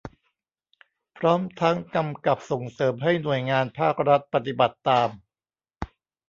พร้อมทั้งกำกับส่งเสริมให้หน่วยงานภาครัฐปฏิบัติตาม